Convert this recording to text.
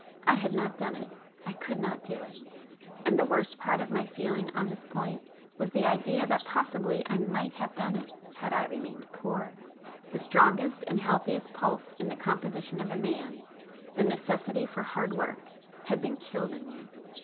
I had not done it,—I could not do it. And the worst part of my feeling on this point was the idea that possibly I might have done it had I remained poor! The strongest and healthiest pulse in the composition of a man,—the necessity for hard work,—had been killed in me.